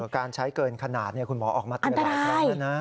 การใช้เกินขนาดคุณหมอออกมาเตือนหลายครั้งแล้วนะ